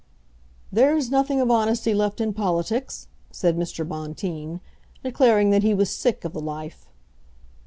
"There's nothing of honesty left in politics," said Mr. Bonteen, declaring that he was sick of the life.